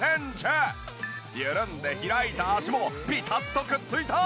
緩んで開いた脚もピタッとくっついた！